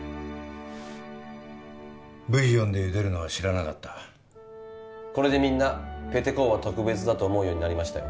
ブイヨンで茹でるのは知らなかったこれでみんなペテ公は特別だと思うようになりましたよ